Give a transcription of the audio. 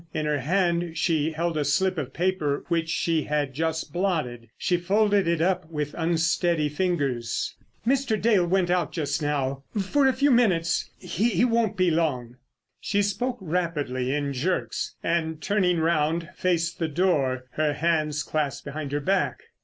In her hand she held a slip of paper which she had just blotted. She folded it up with unsteady fingers. "Mr. Dale went out just now—for a few minutes—he won't be long." She spoke rapidly in jerks, and turning round faced the door, her hands clasped behind her back.